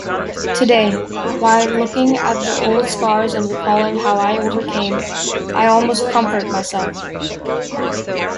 Today, while looking at the old scars and recalling how I overcame, I almost comfort myself.